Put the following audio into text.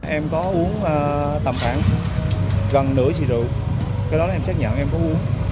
em có uống tầm khoảng gần nửa xịt rượu cái đó em xác nhận em có uống